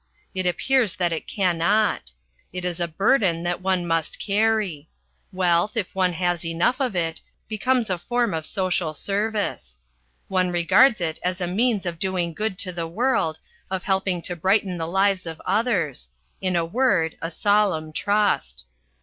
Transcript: It appears that it cannot. It is a burden that one must carry. Wealth, if one has enough of it, becomes a form of social service. One regards it as a means of doing good to the world, of helping to brighten the lives of others in a word, a solemn trust.